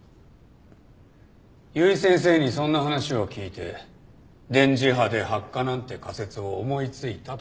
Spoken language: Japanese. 由井先生にそんな話を聞いて電磁波で発火なんて仮説を思いついたとか言ったね。